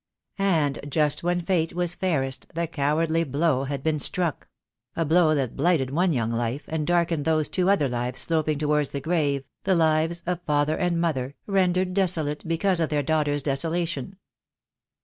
And, just when fate was fairest the cowardly blow had been struck — a blow that blighted one young life, and darkened those two other lives sloping towards the grave, the lives of father and mother, rendered desolate because of their daughter's desolation.